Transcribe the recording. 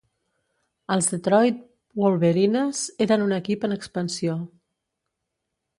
Els Detroit Wolverines eren un equip en expansió.